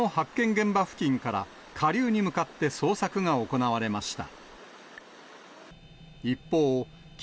現場付近から下流に向かって捜索が行われました。